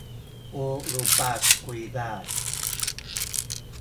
u lupas kuyza.